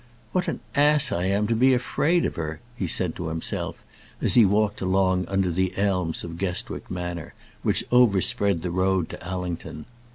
"What an ass I am to be afraid of her!" he said to himself as he walked along under the elms of Guestwick manor, which overspread the road to Allington.